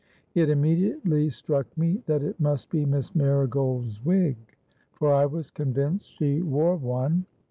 It immediately struck me that it must be Miss Marigold's wig: for I was convinced she wore one.